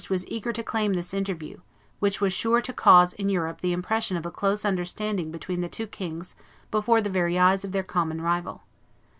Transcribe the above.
was eager to claim this interview, which was sure to cause in Europe the impression of a close understanding between the two kings before the very eyes of their common rival.